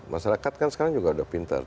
masyarakat kan sekarang juga udah pintar